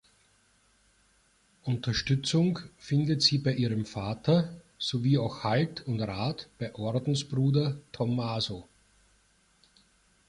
Unterstützung findet sie bei ihrem Vater sowie auch Halt und Rat bei Ordensbruder Tommaso.